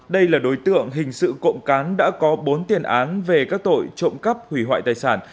đây là đối tượng hình sự cộng cán đã có bốn tiền án về các tội trộm cắp hủy hoại tài sản